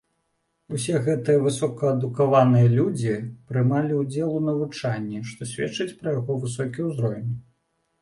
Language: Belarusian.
Усе гэтыя высокаадукаваныя людзі прымалі ўдзел у навучанні, што сведчыць пра яго высокі ўзровень.